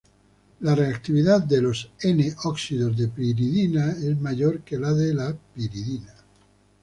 La reactividad de los "N"-óxidos de piridina es mayor que la de la piridina.